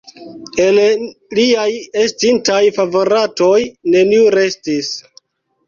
El liaj estintaj favoratoj neniu restis.